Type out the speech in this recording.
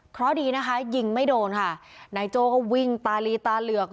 เพราะดีนะคะยิงไม่โดนค่ะนายโจ้ก็วิ่งตาลีตาเหลือก